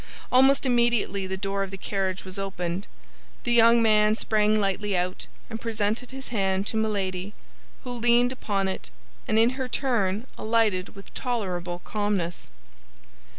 Almost immediately the door of the carriage was opened, the young man sprang lightly out and presented his hand to Milady, who leaned upon it, and in her turn alighted with tolerable calmness.